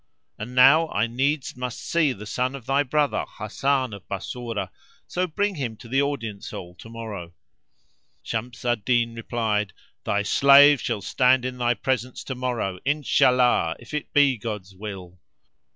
And now I needs must see the son of thy brother, Hasan of Bassorah, so bring him to the audience hall to morrow." Shams al Din replied, "Thy slave shall stand in thy presence to morrow, Inshallah, if it be God's will."